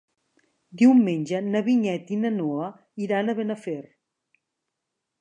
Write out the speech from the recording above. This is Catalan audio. Diumenge na Vinyet i na Noa iran a Benafer.